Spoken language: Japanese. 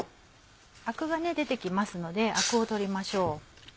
アクが出て来ますのでアクを取りましょう。